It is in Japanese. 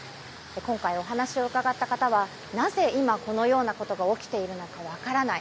今回お話を伺った方はなぜ今このようなことが起きているのか分からない。